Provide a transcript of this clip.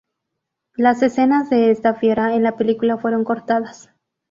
Las escenas de esta fiera en la película fueron cortadas.